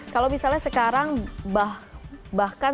kalau misalnya sekarang bahkan